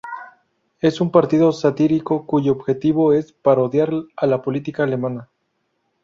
Es un partido satírico, cuyo objetivo es parodiar a la política alemana.